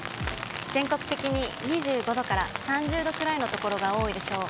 全国的に２５度から３０度くらいの所が多いでしょう。